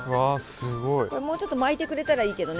もうちょっと巻いてくれたらいいけどね